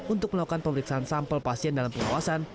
untuk melakukan pemeriksaan sampel pasien dalam pengawasan